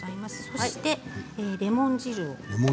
そしてレモン汁。